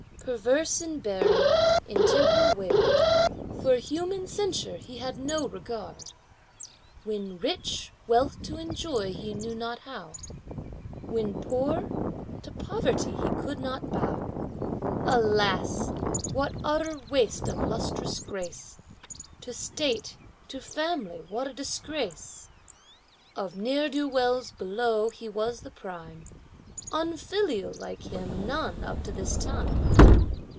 Perverse in bearing, in temper wayward; For human censure he had no regard. When rich, wealth to enjoy he knew not how; When poor, to poverty he could not bow. Alas! what utter waste of lustrous grace! To state, to family what a disgrace! Of ne'er do wells below he was the prime, Unfilial like him none up to this time.